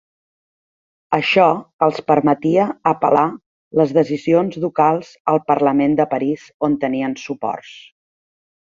Això els permetia apel·lar les decisions ducals al Parlament de Paris on tenien suports.